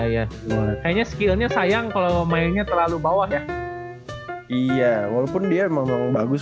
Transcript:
ya kayaknya skillnya sayang kalau mainnya terlalu bawah ya iya walaupun dia memang bagus